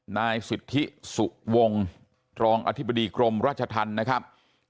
นายสิทธิสุวงรองอธิบดีกรมราชธรรมนะครับ